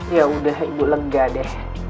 yaudah ibu lega deh